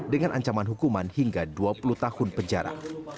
dengan ancaman hukuman hingga dua puluh tahun penjara